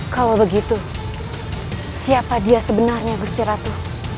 kalau begitu siapa dia sebenarnya gustiratu